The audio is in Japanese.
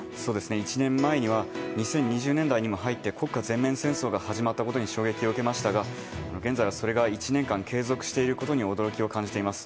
１年前には２０２０年代に入って国家全面戦争が始まったことに衝撃を受けましたが現在はそれが１年間継続していることに驚きを感じています。